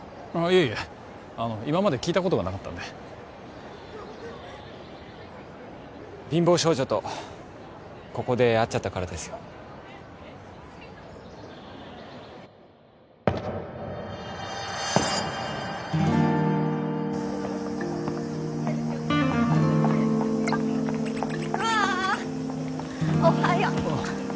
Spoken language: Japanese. いえいえ今まで聞いたことがなかったんで貧乏少女とここで会っちゃったからですよ功！